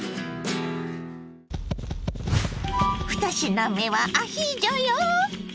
２品目はアヒージョよ！